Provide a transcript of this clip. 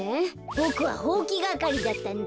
ボクはほうきがかりだったんだ。